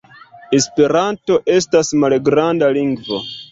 Esperanto estas malgranda lingvo.